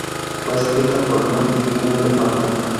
Fue escrita por John y Dino Elefante.